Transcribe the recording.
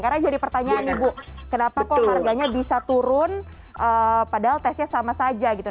karena jadi pertanyaan nih bu kenapa kok harganya bisa turun padahal testnya sama saja gitu